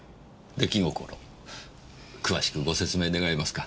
詳しくご説明願えますか？